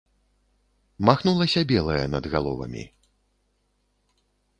Махнулася белае над галовамі.